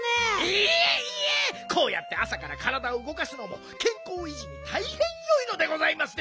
いえいえこうやってあさからからだをうごかすのもけんこういじにたいへんよいのでございますですよ。